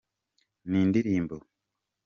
Ni indirimbo.